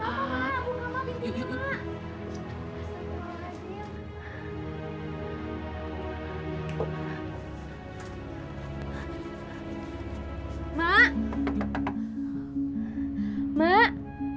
kenapa mak buka mak pintunya mak